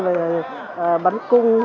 và bắn cung